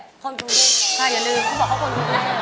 คนกรุงเทพ